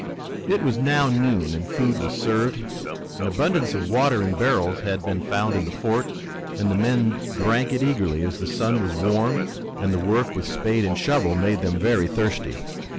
It was now noon, and food was served. An abundance of water in barrels had been found in the fort and the men drank it eagerly as the sun was warm and the work with spade and shovel made them very thirsty.